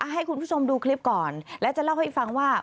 ให้คุณผู้ชมดูคลิปก่อนและจะเล่าให้ฟังว่า